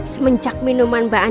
gigi juga takut